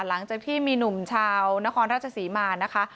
หลังจากที่มีหนุ่มชาวนครราชศรีมานะคะ